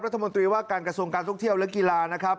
รัฐมนตรีว่าการกระทรวงการท่องเที่ยวและกีฬานะครับ